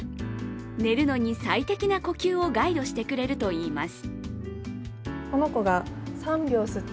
寝るのに最適な呼吸をガイドしてくれるといいます。